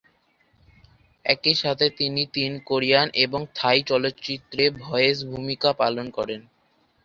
একই সাথে তিনি তিন কোরিয়ান এবং থাই চলচ্চিত্রে ভয়েস ভূমিকা পালন করেছেন।